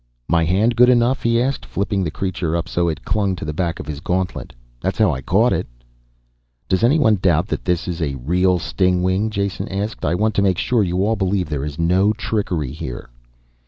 "My hand good enough?" he asked, flipping the creature up so it clung to the back of his gauntlet. "That's how I caught it." "Does anyone doubt that this is a real stingwing?" Jason asked. "I want to make sure you all believe there is no trickery here."